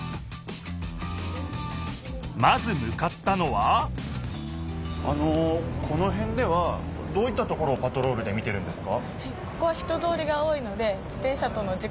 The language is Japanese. まずむかったのはあのこのへんではどういったところをパトロールで見てるんですか？